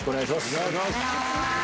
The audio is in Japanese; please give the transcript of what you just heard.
一同）お願いします。